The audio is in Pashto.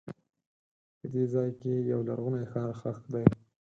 په دې ځای کې یو لرغونی ښار ښخ دی.